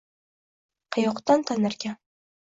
— Qayokdan tanirkan?